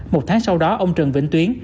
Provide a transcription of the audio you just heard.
một tháng sau đó ông trần vĩnh tuyến